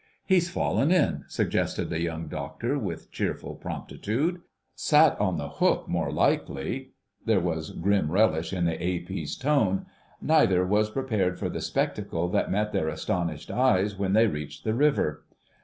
"He's fallen in," suggested the Young Doctor with cheerful promptitude. "Sat on the hook, more likely." There was grim relish in the A.P.'s tone. Neither was prepared for the spectacle that met their astonished eyes when they reached the river.